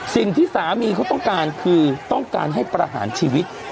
สิ่งที่สามีเขาต้องการคือต้องการให้ประหารชีวิต